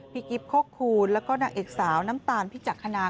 กิ๊บโคกคูณแล้วก็นางเอกสาวน้ำตาลพิจักษณา